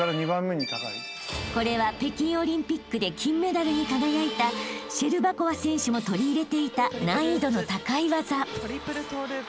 ［これは北京オリンピックで金メダルに輝いたシェルバコワ選手も取り入れていた難易度の高い技］